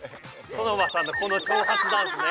ソノマさんのこの挑発ダンスね。